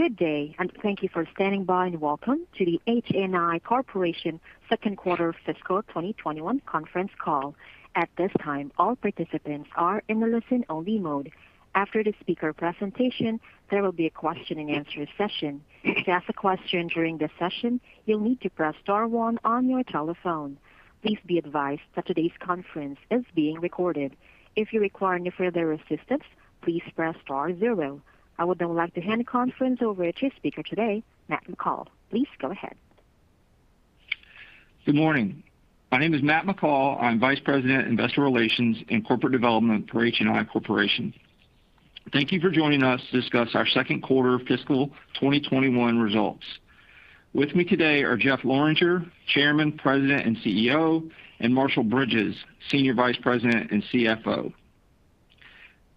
Good day, and thank you for standing by, and welcome to the HNI Corporation Second Quarter Fiscal 2021 Conference Call. At this time, all participants are in the listen-only mode. After the speaker presentation, there will be a question-and-answer session. To ask a question during the session, you'll need to press star one on your telephone. Please be advised that today's conference is being recorded. If you require any further assistance, please press star zero. I would now like to hand the conference over to speaker today, Matt McCall. Please go ahead. Good morning. My name is Matt McCall. I'm Vice President, Investor Relations and Corporate Development for HNI Corporation. Thank you for joining us to discuss our second quarter fiscal 2021 results. With me today are Jeff Lorenger, Chairman, President, and CEO, and Marshall Bridges, Senior Vice President and CFO.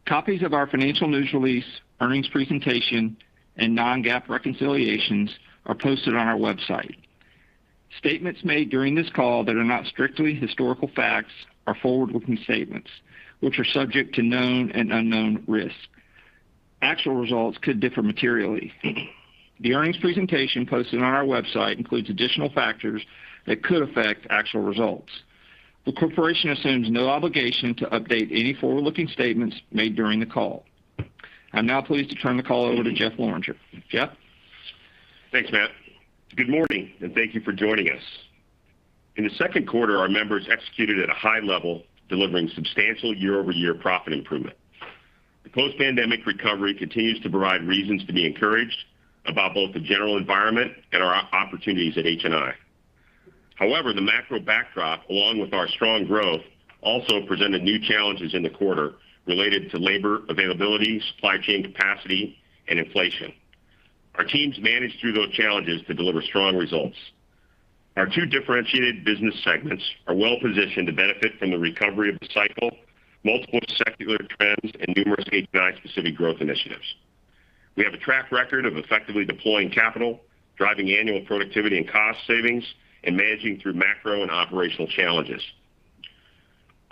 Copies of our financial news release, earnings presentation, and non-GAAP reconciliations are posted on our website. Statements made during this call that are not strictly historical facts are forward-looking statements, which are subject to known and unknown risks. Actual results could differ materially. The earnings presentation posted on our website includes additional factors that could affect actual results. The corporation assumes no obligation to update any forward-looking statements made during the call. I'm now pleased to turn the call over to Jeff Lorenger. Jeff? Thanks, Matt. Good morning, thank you for joining us. In the second quarter, our members executed at a high level, delivering substantial year-over-year profit improvement. The post-pandemic recovery continues to provide reasons to be encouraged about both the general environment and our opportunities at HNI. However, the macro backdrop, along with our strong growth, also presented new challenges in the quarter related to labor availability, supply chain capacity, and inflation. Our teams managed through those challenges to deliver strong results. Our two differentiated business segments are well-positioned to benefit from the recovery of the cycle, multiple secular trends, and numerous HNI-specific growth initiatives. We have a track record of effectively deploying capital, driving annual productivity and cost savings, and managing through macro and operational challenges.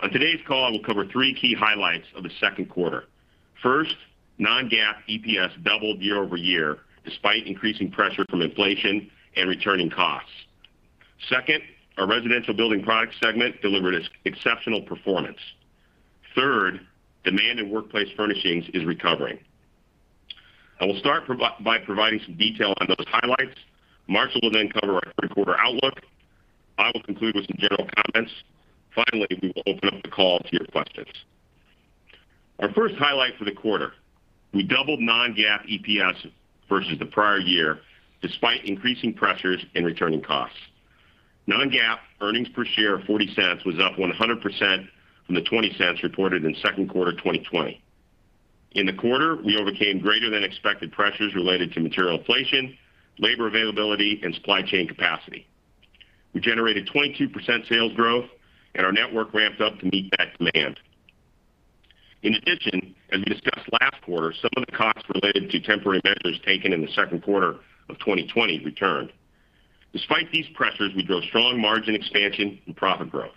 On today's call, I will cover three key highlights of the second quarter. First, non-GAAP EPS doubled year-over-year, despite increasing pressure from inflation and returning costs. Second, our Residential Building Products segment delivered exceptional performance. Third, demand in Workplace Furnishings is recovering. I will start by providing some detail on those highlights. Marshall will then cover our third quarter outlook. I will conclude with some general comments. Finally, we will open up the call to your questions. Our first highlight for the quarter, we doubled non-GAAP EPS versus the prior year, despite increasing pressures and returning costs. Non-GAAP earnings per share of $0.40 was up 100% from the $0.20 reported in second quarter 2020. In the quarter, we overcame greater than expected pressures related to material inflation, labor availability, and supply chain capacity. We generated 22% sales growth, and our network ramped up to meet that demand. In addition, as we discussed last quarter, some of the costs related to temporary measures taken in the second quarter of 2020 returned. Despite these pressures, we drove strong margin expansion and profit growth.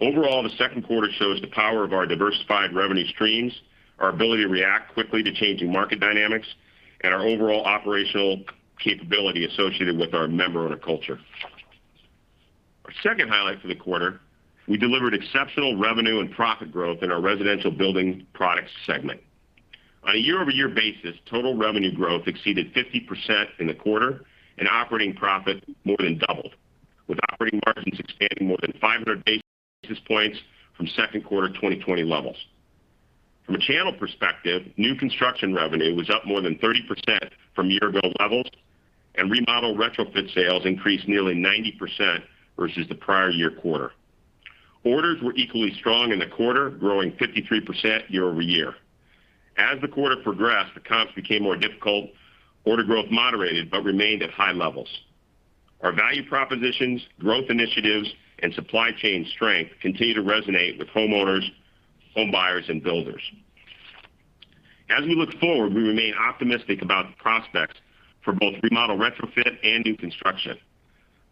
Overall, the second quarter shows the power of our diversified revenue streams, our ability to react quickly to changing market dynamics, and our overall operational capability associated with our member and our culture. Our second highlight for the quarter, we delivered exceptional revenue and profit growth in our Residential Building Products segment. On a year-over-year basis, total revenue growth exceeded 50% in the quarter, and operating profit more than doubled, with operating margins expanding more than 500 basis points from second quarter 2020 levels. From a channel perspective, new construction revenue was up more than 30% from year-ago levels, and Remodel-retrofit sales increased nearly 90% versus the prior year quarter. Orders were equally strong in the quarter, growing 53% year-over-year. As the quarter progressed, the comps became more difficult. Order growth moderated, but remained at high levels. Our value propositions, growth initiatives, and supply chain strength continue to resonate with homeowners, home buyers, and builders. As we look forward, we remain optimistic about the prospects for both Remodel-retrofit and new construction.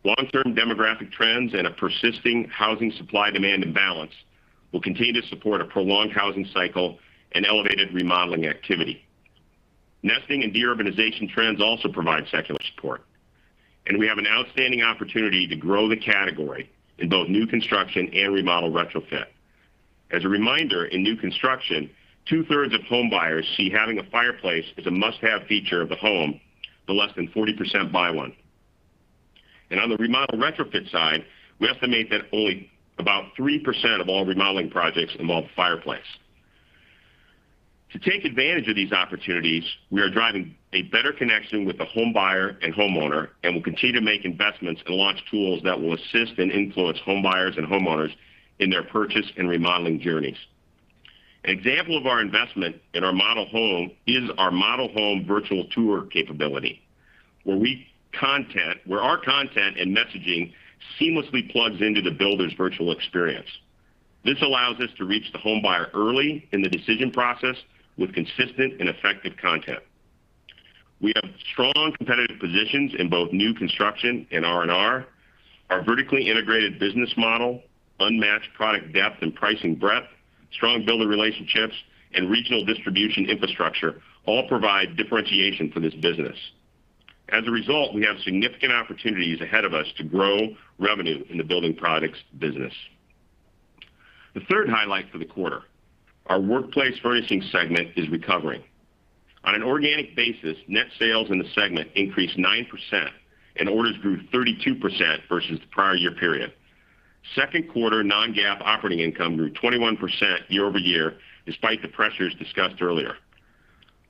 Long-term demographic trends and a persisting housing supply-demand imbalance will continue to support a prolonged housing cycle and elevated remodeling activity. Nesting and de-urbanization trends also provide secular support, and we have an outstanding opportunity to grow the category in both new construction and Remodel-retrofit. As a reminder, in new construction, 2/3 of home buyers see having a fireplace as a must-have feature of the home, but less than 40% buy one. On the Remodel-retrofit side, we estimate that only about 3% of all remodeling projects involve fireplaces. To take advantage of these opportunities, we are driving a better connection with the home buyer and homeowner, and will continue to make investments and launch tools that will assist and influence home buyers and homeowners in their purchase and remodeling journeys. An example of our investment in our model home is our model home virtual tour capability, where our content and messaging seamlessly plugs into the builder's virtual experience. This allows us to reach the home buyer early in the decision process with consistent and effective content. We have strong competitive positions in both new construction and R&R. Our vertically integrated business model, unmatched product depth, and pricing breadth, strong builder relationships and regional distribution infrastructure all provide differentiation for this business. As a result, we have significant opportunities ahead of us to grow revenue in the Residential Building Products business. The third highlight for the quarter, our Workplace Furnishings segment is recovering. On an organic basis, net sales in the segment increased 9%, and orders grew 32% versus the prior year period. Second quarter non-GAAP operating income grew 21% year-over-year, despite the pressures discussed earlier.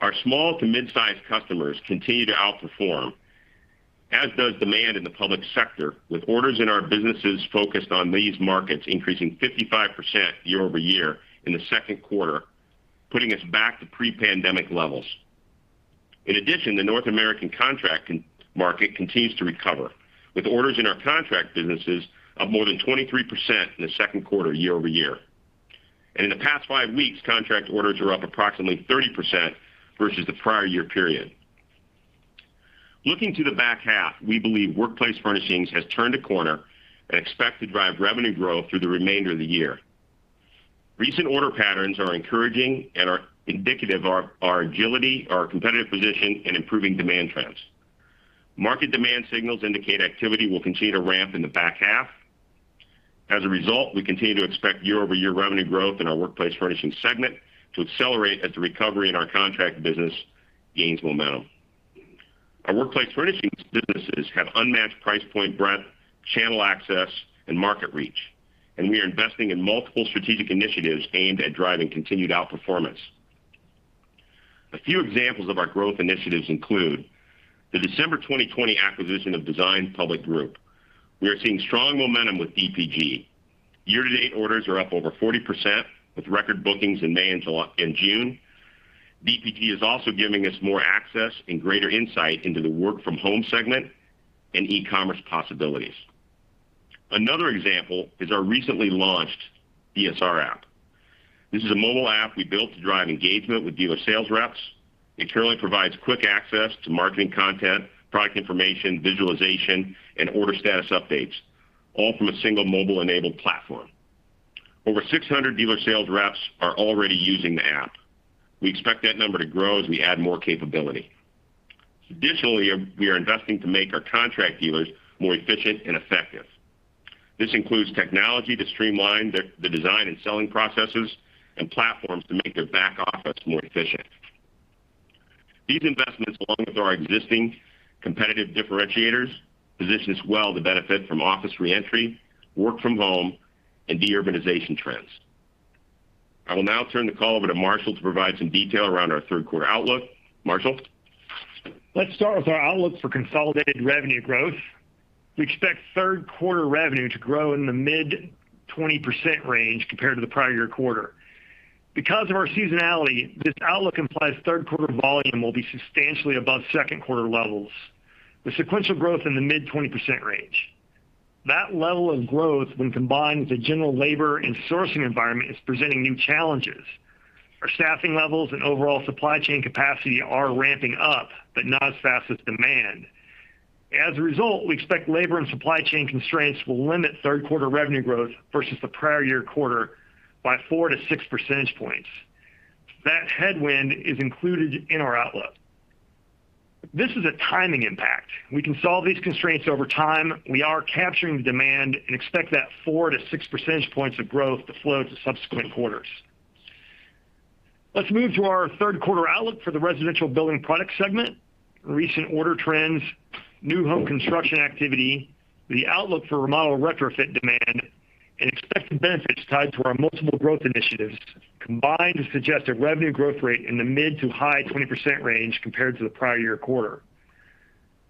Our small to mid-size customers continue to outperform, as does demand in the public sector with orders in our businesses focused on these markets increasing 55% year-over-year in the second quarter, putting us back to pre-pandemic levels. In addition, the North American contract market continues to recover, with orders in our contract businesses up more than 23% in the second quarter year-over-year. In the past five weeks, contract orders are up approximately 30% versus the prior year period. Looking to the back half, we believe Workplace Furnishings has turned a corner and expect to drive revenue growth through the remainder of the year. Recent order patterns are encouraging and are indicative of our agility, our competitive position, and improving demand trends. Market demand signals indicate activity will continue to ramp in the back half. We continue to expect year-over-year revenue growth in our Workplace Furnishings segment to accelerate as the recovery in our contract business gains momentum. Our Workplace Furnishings businesses have unmatched price point breadth, channel access, and market reach, we are investing in multiple strategic initiatives aimed at driving continued outperformance. A few examples of our growth initiatives include the December 2020 acquisition of Design Public Group. We are seeing strong momentum with DPG. Year-to-date orders are up over 40%, with record bookings in May and June.. DPG is also giving us more access and greater insight into the work from home segment and e-commerce possibilities. Another example is our recently launched DSR app. This is a mobile app we built to drive engagement with dealer sales reps. It currently provides quick access to marketing content, product information, visualization, and order status updates, all from a single mobile-enabled platform. Over 600 dealer sales reps are already using the app. We expect that number to grow as we add more capability. Additionally, we are investing to make our contract dealers more efficient and effective. This includes technology to streamline the design and selling processes and platforms to make their back office more efficient. These investments, along with our existing competitive differentiators, position us well to benefit from office re-entry, work from home, and de-urbanization trends. I will now turn the call over to Marshall to provide some detail around our third quarter outlook. Marshall? Let's start with our outlook for consolidated revenue growth. We expect third quarter revenue to grow in the mid 20% range compared to the prior year quarter. Because of our seasonality, this outlook implies third quarter volume will be substantially above second quarter levels, with sequential growth in the mid 20% range. That level of growth, when combined with the general labor and sourcing environment, is presenting new challenges. Our staffing levels and overall supply chain capacity are ramping up, but not as fast as demand. As a result, we expect labor and supply chain constraints will limit third quarter revenue growth versus the prior year quarter by four to six percentage points. That headwind is included in our outlook. This is a timing impact. We can solve these constraints over time. We are capturing the demand and expect that four to six percentage points of growth to flow to subsequent quarters. Let's move to our third quarter outlook for the Residential Building Products segment. Recent order trends, new home construction activity, the outlook for Remodel-retrofit demand, and expected benefits tied to our multiple growth initiatives combine to suggest a revenue growth rate in the mid to high 20% range compared to the prior year quarter.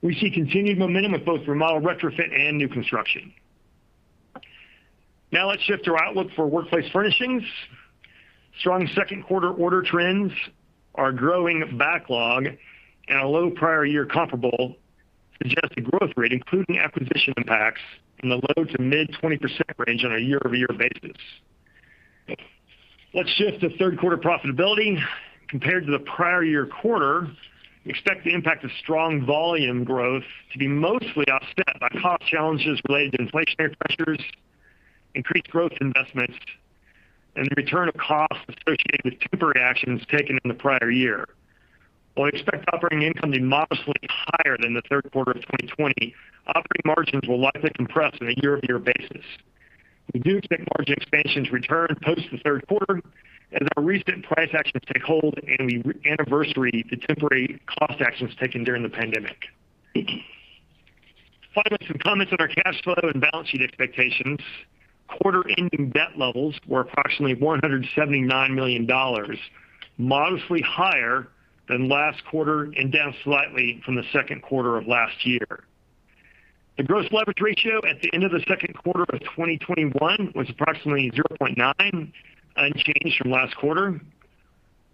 We see continued momentum with both Remodel-retrofit and new construction. Now let's shift to our outlook for Workplace Furnishings. Strong second quarter order trends are growing backlog and a low prior year comparable suggest a growth rate, including acquisition impacts in the low to mid 20% range on a year-over-year basis. Let's shift to third quarter profitability. Compared to the prior year quarter, we expect the impact of strong volume growth to be mostly offset by cost challenges related to inflationary pressures, increased growth investments, and the return of costs associated with temporary actions taken in the prior year. While we expect operating income to be modestly higher than Q3 2020, operating margins will likely compress on a year-over-year basis. We do expect margin expansions return post the Q3 as our recent price actions take hold and we anniversary the temporary cost actions taken during the pandemic. Finally, some comments on our cash flow and balance sheet expectations. Quarter-ending debt levels were approximately $179 million, modestly higher than last quarter and down slightly from Q2 of last year. The gross leverage ratio at the end of Q2 2021 was approximately 0.9, unchanged from last quarter.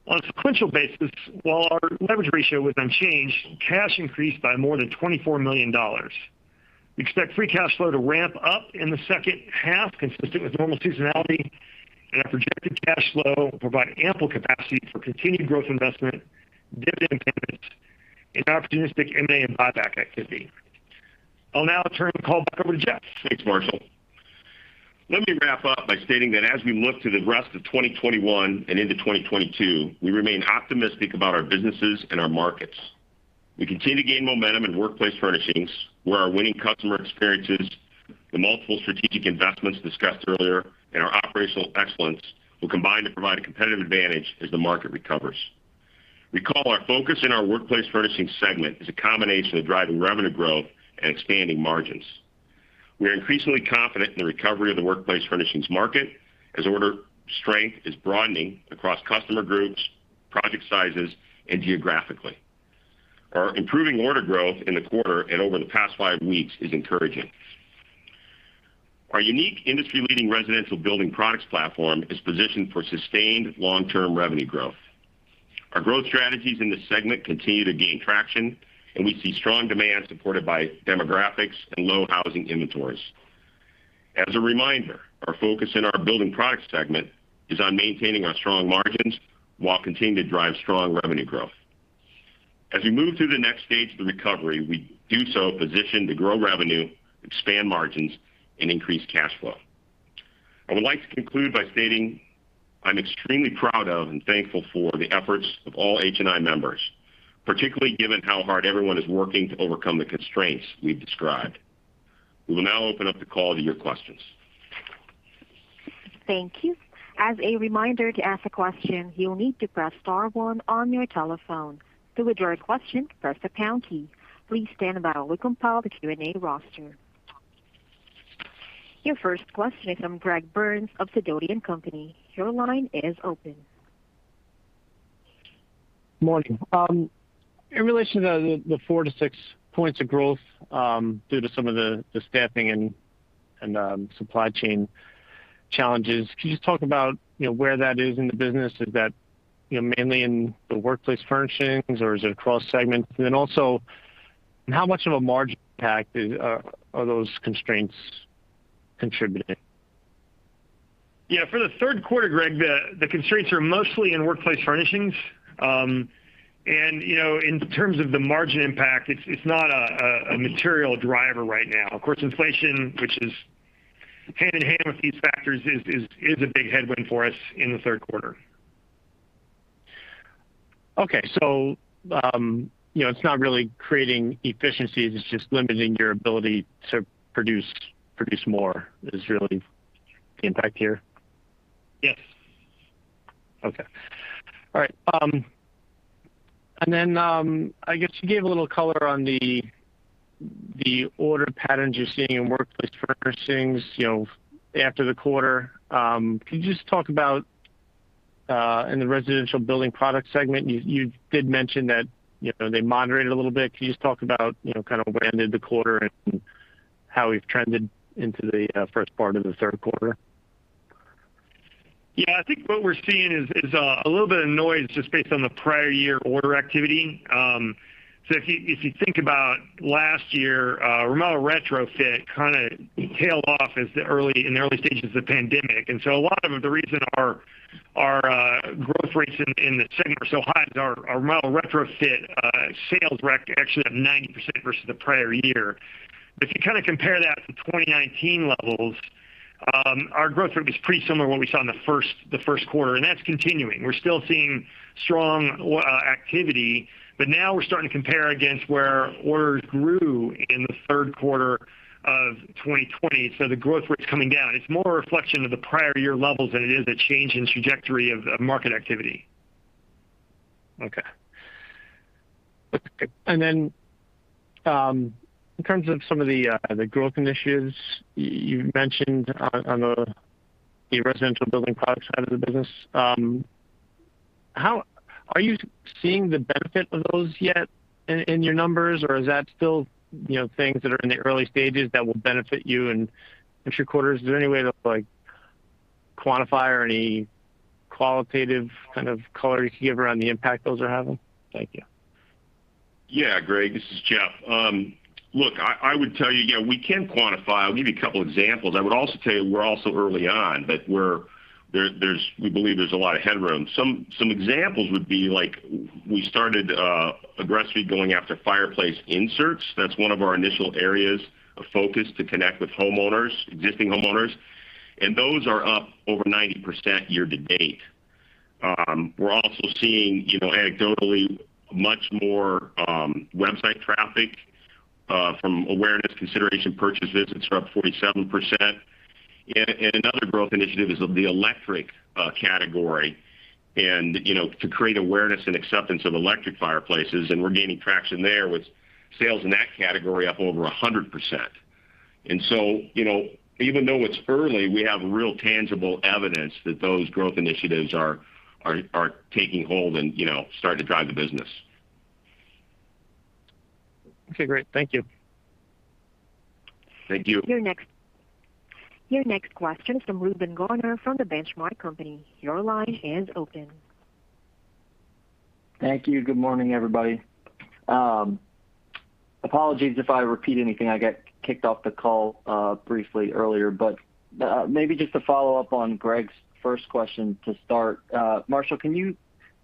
On a sequential basis, while our leverage ratio was unchanged, cash increased by more than $24 million. We expect free cash flow to ramp up in the second half, consistent with normal seasonality, and our projected cash flow will provide ample capacity for continued growth investment, dividend payments, and opportunistic M&A and buyback activity. I'll now turn the call back over to Jeff. Thanks, Marshall. Let me wrap up by stating that as we look to the rest of 2021 and into 2022, we remain optimistic about our businesses and our markets. We continue to gain momentum in Workplace Furnishings, where our winning customer experiences, the multiple strategic investments discussed earlier, and our operational excellence will combine to provide a competitive advantage as the market recovers. Recall, our focus in our Workplace Furnishings segment is a combination of driving revenue growth and expanding margins. We are increasingly confident in the recovery of the Workplace Furnishings market, as order strength is broadening across customer groups, project sizes, and geographically. Our improving order growth in the quarter and over the past five weeks is encouraging. Our unique industry-leading Residential Building Products platform is positioned for sustained long-term revenue growth. Our growth strategies in this segment continue to gain traction, and we see strong demand supported by demographics and low housing inventories. As a reminder, our focus in our building products segment is on maintaining our strong margins while continuing to drive strong revenue growth. As we move through the next stage of the recovery, we do so positioned to grow revenue, expand margins, and increase cash flow. I would like to conclude by stating I'm extremely proud of and thankful for the efforts of all HNI members, particularly given how hard everyone is working to overcome the constraints we've described. We will now open up the call to your questions. Thank you. As a reminder, to ask a question, you'll need to press star one on your telephone. To withdraw your question, press the pound key. Please stand by while we compile the Q&A roster. Your first question is from Greg Burns of Sidoti & Company. Your line is open. Morning. In relation to the four to six points of growth due to some of the staffing and supply chain challenges, can you just talk about where that is in the business? Is that mainly in the Workplace Furnishings, or is it across segments? Then also, how much of a margin impact are those constraints contributing? Yeah, for the third quarter, Greg, the constraints are mostly in Workplace Furnishings. In terms of the margin impact, it's not a material driver right now. Of course, inflation, which is hand-in-hand with these factors, is a big headwind for us in the third quarter. Okay. It's not really creating efficiencies, it's just limiting your ability to produce more, is really the impact here? Yes. Okay. All right. I guess you gave a little color on the order patterns you're seeing in Workplace Furnishings after the quarter. Could you just talk about in the Residential Building Products segment, you did mention that they moderated a little bit? Could you just talk about where they ended the quarter and how we've trended into the first part of the third quarter? Yeah, I think what we're seeing is a little bit of noise just based on the prior year order activity. If you think about last year, Remodel-retrofit tailed off in the early stages of the pandemic. A lot of the reason our growth rates in the segment are so high is our Remodel-retrofit sales were actually up 90% versus the prior year. If you compare that to 2019 levels, our growth rate was pretty similar to what we saw in the first quarter, and that's continuing. We're still seeing strong activity, but now we're starting to compare against where orders grew in the third quarter of 2020. The growth rate's coming down. It's more a reflection of the prior year levels than it is a change in trajectory of market activity. Okay. In terms of some of the growth initiatives you mentioned on the Residential Building Products side of the business, are you seeing the benefit of those yet in your numbers, or is that still things that are in the early stages that will benefit you in future quarters? Is there any way to quantify or any qualitative kind of color you could give around the impact those are having? Thank you. Yeah, Greg, this is Jeff. Look, I would tell you, yeah, we can quantify. I'll give you a couple examples. I would also tell you we're also early on, but we believe there's a lot of headroom. Some examples would be like, we started aggressively going after fireplace inserts. That's one of our initial areas of focus to connect with existing homeowners. Those are up over 90% year to date. We're also seeing anecdotally much more website traffic from awareness consideration purchases. It's up 47%. Another growth initiative is the electric category, and to create awareness and acceptance of electric fireplaces, and we're gaining traction there with sales in that category up over 100%. Even though it's early, we have real tangible evidence that those growth initiatives are taking hold and starting to drive the business. Okay, great. Thank you. Thank you. Your next question is from Reuben Garner from The Benchmark Company. Your line is open. Thank you. Good morning, everybody. Apologies if I repeat anything. I got kicked off the call briefly earlier. Maybe just to follow up on Greg's first question to start. Marshall, can you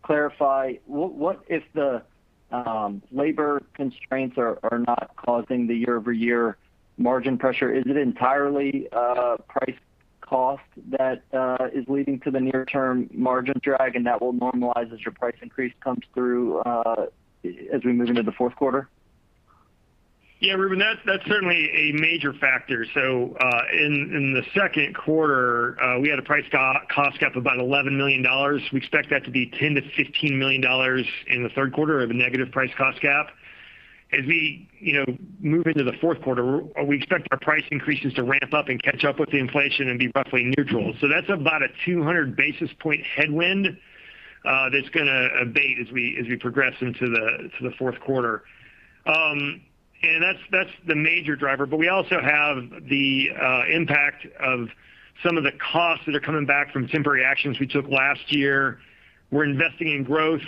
clarify, what if the labor constraints are not causing the year-over-year margin pressure? Is it entirely price cost that is leading to the near-term margin drag and that will normalize as your price increase comes through as we move into the fourth quarter? Yeah, Reuben, that's certainly a major factor. In the second quarter, we had a price cost gap of about $11 million. We expect that to be $10 million to $15 million in the third quarter of a negative price cost gap. As we move into the fourth quarter, we expect our price increases to ramp up and catch up with the inflation and be roughly neutral. That's about a 200 basis point headwind that's going to abate as we progress into the fourth quarter. That's the major driver. We also have the impact of some of the costs that are coming back from temporary actions we took last year. We're investing in growth,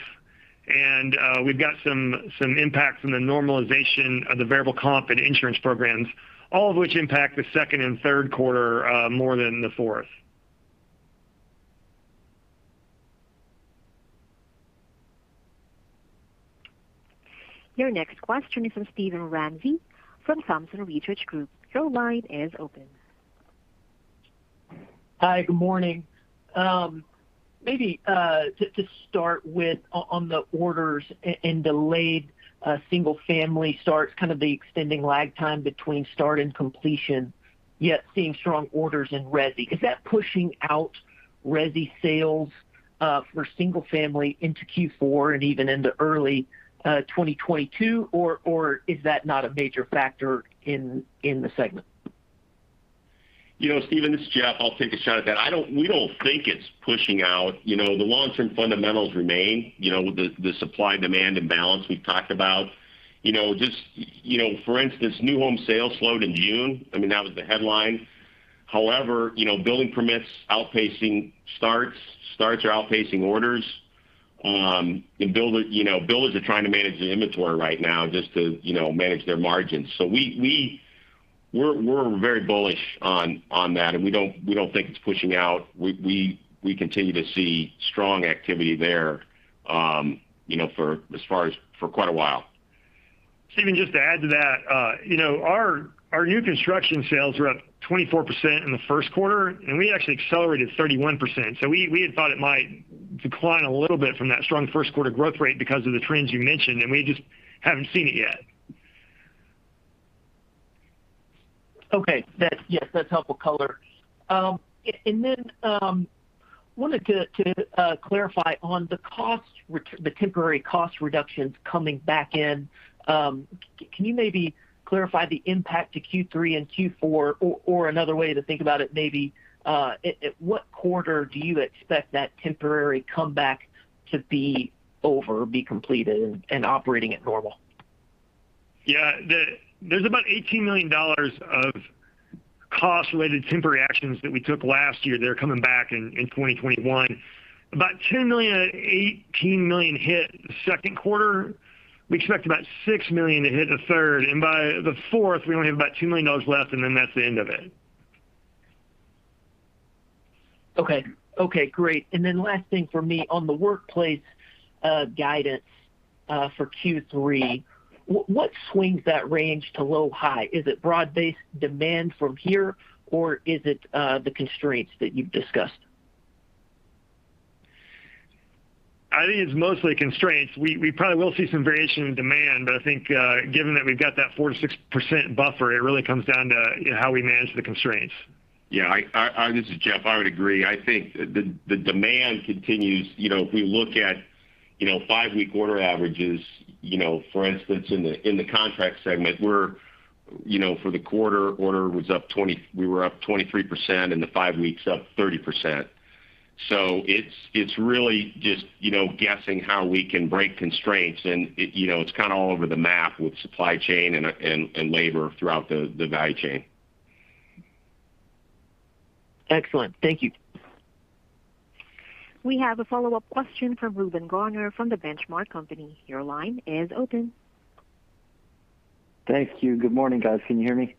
and we've got some impact from the normalization of the variable comp and insurance programs, all of which impact the second and third quarter more than the fourth. Your next question is from Steven Ramsey from Thompson Research Group. Your line is open. Hi. Good morning. Maybe to start with on the orders and delayed single-family starts, kind of the extending lag time between start and completion, yet seeing strong orders in resi. Is that pushing out resi sales for single family into Q4 and even into early 2022, or is that not a major factor in the segment? Steven, this is Jeff. I'll take a shot at that. We don't think it's pushing out. The long-term fundamentals remain. The supply-demand imbalance we've talked about. For instance, new home sales slowed in June. That was the headline. Building permits outpacing starts. Starts are outpacing orders. Builders are trying to manage the inventory right now just to manage their margins. We're very bullish on that, and we don't think it's pushing out. We continue to see strong activity there for quite a while. Steven, just to add to that. Our new construction sales were up 24% in the first quarter, and we actually accelerated 31%. We had thought it might decline a little bit from that strong first-quarter growth rate because of the trends you mentioned, and we just haven't seen it yet. Okay. Yes, that's helpful color. Wanted to clarify on the temporary cost reductions coming back in. Can you maybe clarify the impact to Q3 and Q4? Another way to think about it maybe, at what quarter do you expect that temporary comeback to be over, be completed, and operating at normal? Yeah. There's about $18 million of cost-related temporary actions that we took last year that are coming back in 2021. About $10 million to $18 million hit second quarter. We expect about $6 million to hit in the third, and by the fourth, we only have about $2 million left, and then that's the end of it. Okay, great. Last thing for me on the Workplace guidance for Q3. What swings that range to low high? Is it broad-based demand from here, or is it the constraints that you've discussed? I think it's mostly constraints. We probably will see some variation in demand. I think given that we've got that 4%-6% buffer, it really comes down to how we manage the constraints. Yeah. This is Jeff. I would agree. I think the demand continues. If we look at 5-week order averages. For instance, in the Workplace Furnishings, for the quarter, we were up 23%, and the five weeks up 30%. It's really just guessing how we can break constraints, and it's kind of all over the map with supply chain and labor throughout the value chain. Excellent. Thank you. We have a follow-up question from Reuben Garner from The Benchmark Company. Your line is open. Thank you. Good morning, guys. Can you hear me?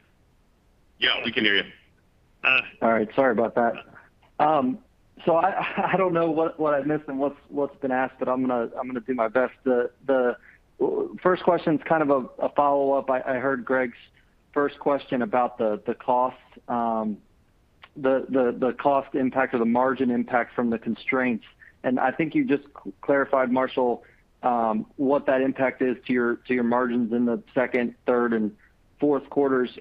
Yeah, we can hear you. All right. Sorry about that. I don't know what I've missed and what's been asked, but I'm going to do my best. The first question's kind of a follow-up. I heard Greg's first question about the cost impact or the margin impact from the constraints. I think you just clarified, Marshall, what that impact is to your margins in the second, third, and fourth quarters.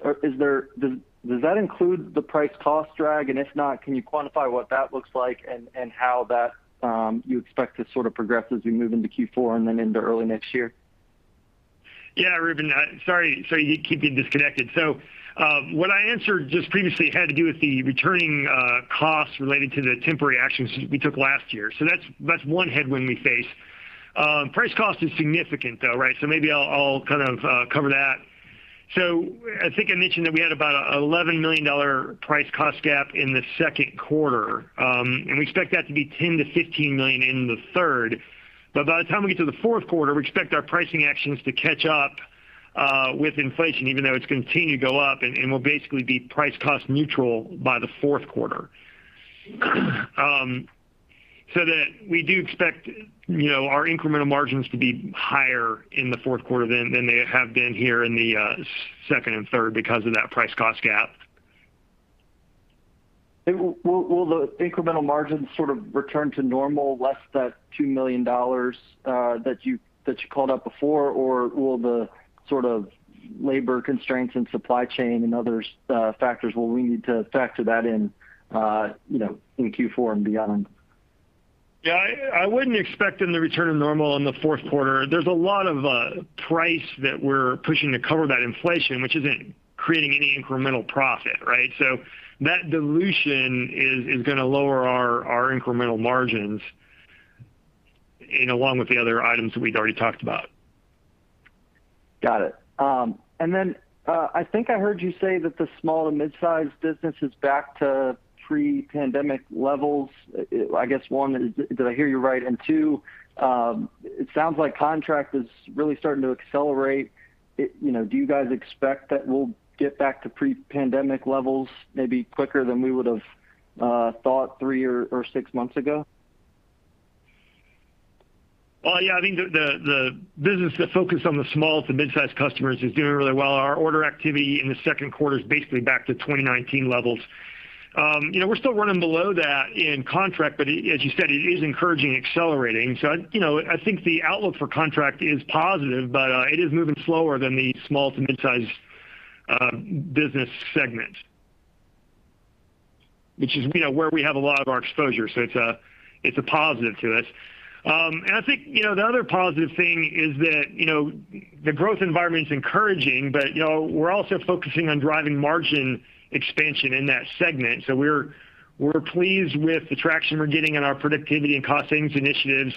Does that include the price cost drag? If not, can you quantify what that looks like and how that you expect to sort of progress as we move into Q4 and then into early next year? Yeah, Reuben. Sorry you keep getting disconnected. What I answered just previously had to do with the returning costs related to the temporary actions we took last year. That's one headwind we face. Price cost is significant, though, maybe I'll kind of cover that. I think I mentioned that we had about a $11 million price cost gap in the second quarter. We expect that to be $10 million to $15 million in the third. By the time we get to the fourth quarter, we expect our pricing actions to catch up with inflation, even though it's continued to go up, and we'll basically be price cost neutral by the fourth quarter. That we do expect our incremental margins to be higher in the fourth quarter than they have been here in the second and third because of that price cost gap. Will the incremental margins sort of return to normal less that $2 million that you called out before? Or will the sort of labor constraints and supply chain and other factors, will we need to factor that in Q4 and beyond? Yeah. I wouldn't expect any return to normal in the fourth quarter. There's a lot of price that we're pushing to cover that inflation, which isn't creating any incremental profit, right? That dilution is going to lower our incremental margins and along with the other items that we'd already talked about. Got it. I think I heard you say that the small to midsize business is back to pre-pandemic levels. I guess one, did I hear you right? Two, it sounds like contract is really starting to accelerate. Do you guys expect that we'll get back to pre-pandemic levels maybe quicker than we would've thought three or six months ago? Yeah, I think the business that focused on the small to midsize customers is doing really well. Our order activity in the second quarter is basically back to 2019 levels. We're still running below that in Contract, but as you said, it is encouraging accelerating. I think the outlook for Contract is positive, but it is moving slower than the small to midsize business segment, which is where we have a lot of our exposure. It's a positive to us. I think the other positive thing is that the growth environment's encouraging, but we're also focusing on driving margin expansion in that segment. We're pleased with the traction we're getting in our productivity and cost savings initiatives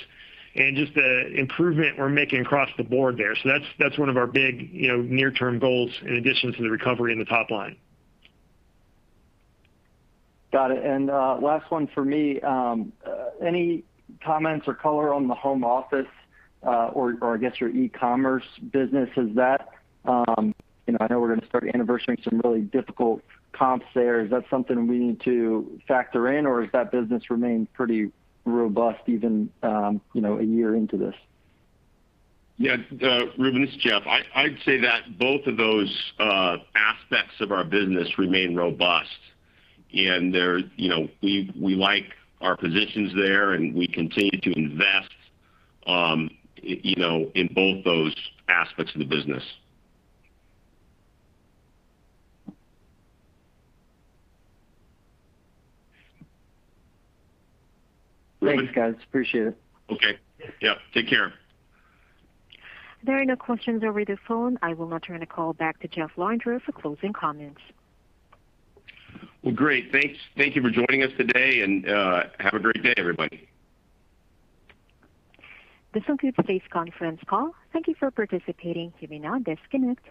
and just the improvement we're making across the board there. That's one of our big near-term goals in addition to the recovery in the top line. Got it. Last one from me, any comments or color on the home office, or I guess your e-commerce business? I know we're going to start anniversarying some really difficult comps there. Is that something we need to factor in, or has that business remained pretty robust even a year into this? Yeah. Reuben, this is Jeff. I'd say that both of those aspects of our business remain robust, and we like our positions there, and we continue to invest in both those aspects of the business. Thanks, guys. Appreciate it. Okay. Yep. Take care. There are no questions over the phone. I will now turn the call back to Jeff Lorenger for closing comments. Well, great. Thanks. Thank you for joining us today, and have a great day, everybody. This concludes today's conference call. Thank you for participating. You may now disconnect.